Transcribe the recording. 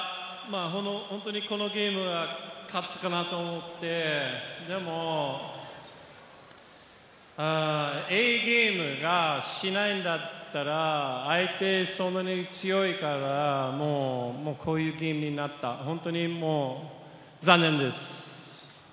このゲームは勝つかなと思って、でも、いいゲームがしないなら、相手はそんなに強いから、こういうゲームになった、本当に残念です。